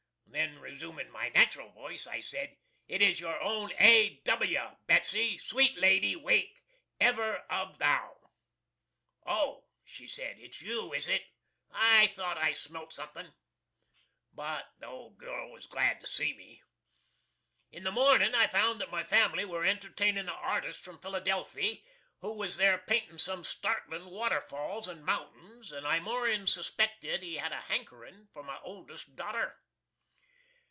Then resumin' my nat'ral voice, I said, "It is your own A. W., Betsy! Sweet lady, wake! Ever of thou!" "Oh," she said, "it's you, is it? I thought I smelt something." But the old girl was glad to see me. In the mornin' I found that my family were entertainin' a artist from Philadelphy, who was there paintin' some startlin water falls and mountains, and I morin suspected he had a hankerin' for my oldest dauter.